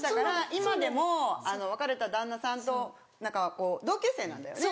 今でも別れた旦那さんと何かこう同級生なんだよね。